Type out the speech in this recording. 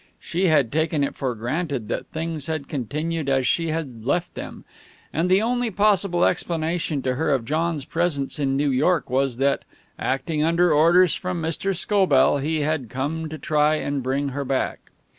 She had taken it for granted that things had continued as she had left them; and the only possible explanation to her of John's presence in New York was that, acting under orders from Mr. Scobell, he had come to try and bring her back.